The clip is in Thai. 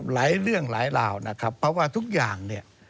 หลายเรื่องหลายราวนะครับเพราะว่าทุกอย่างเนี่ย